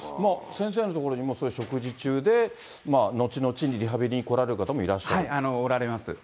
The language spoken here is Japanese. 先生のところにも食事中で後々にリハビリに来られる方もいらおられます。